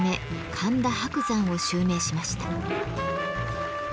神田伯山を襲名しました。